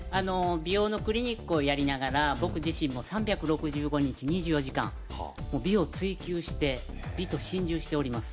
美容のクリニックをやりながら僕自身も３６５日２４時間美を追求して美と心中しております